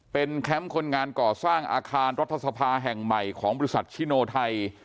เป็นแคมป์คนงานก่อสร้างอาคารรัฐสภาแห่งใหม่ของบริษัทชิโนไทย